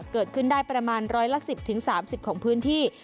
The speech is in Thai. เกิดขึ้นได้ประมาณร้อยละ๑๐๓๐ของพื้นที่